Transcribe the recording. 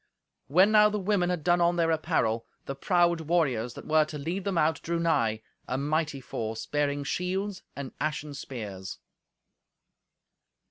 When now the women had done on their apparel, the proud warriors that were to lead them out drew nigh, a mighty force, bearing shields and ashen spears.